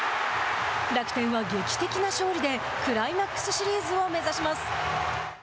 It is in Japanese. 楽天は、劇的な勝利でクライマックスシリーズを目指します。